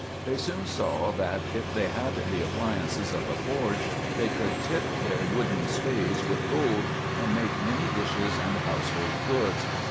They soon saw that, if they had the appliances of a forge, they could tip their wooden spades with gold, and make many dishes and household goods.